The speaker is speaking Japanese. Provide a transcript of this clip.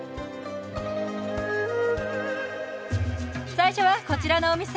最初はこちらのお店。